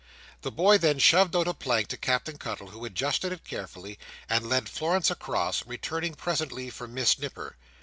The boy then shoved out a plank to Captain Cuttle, who adjusted it carefully, and led Florence across: returning presently for Miss Nipper.